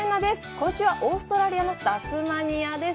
今週はオーストラリアのタスマニアです。